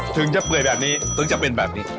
ถึงจะเปื่อยแบบนี้ถึงจะเป็นแบบนี้